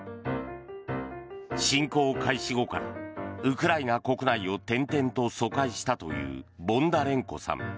侵攻開始後からウクライナ国内を転々と疎開したというボンダレンコさん。